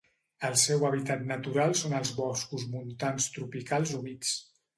El seu hàbitat natural són els boscos montans tropicals humits.